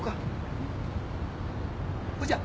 うん。ほいじゃ。